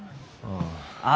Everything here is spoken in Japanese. ああ。